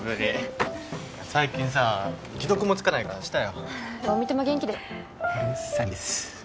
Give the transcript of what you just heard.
あ最近さぁ既読もつかないから心配したよ。